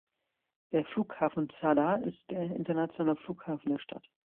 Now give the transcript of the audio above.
Der Flughafen Zadar ist der internationale Flughafen der Stadt.